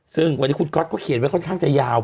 ซึ่งวันนี้คุณก๊อตเขาเขียนไว้ค่อนข้างจะยาว